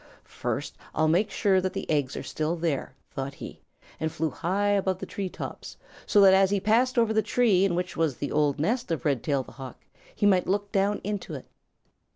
"First I'll make sure that the eggs are still there," thought he, and flew high above the tree tops, so that as he passed over the tree in which was the old nest of Red tail the Hawk, he might look down into it.